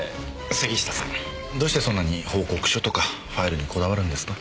杉下さんどうしてそんなに報告書とかファイルにこだわるんですか？